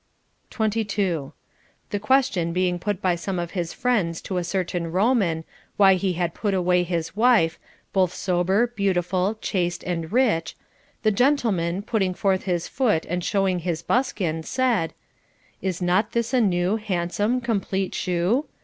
22. The question being put by some of his friends to a certain Roman, why he had put away his wife, both sober. 494 CONJUGAL PRECEPTS. beautiful, chaste, and rich, the gentleman, putting forth his foot and showing his buskin, said : Is not this a new, handsome, complete shoe